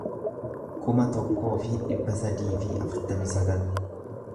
kuma tokkoo fi dhibba sadii fi afurtamii sagal